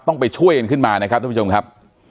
ต้องไปช่วยกันขึ้นมานะครับท่านผู้ชมครับ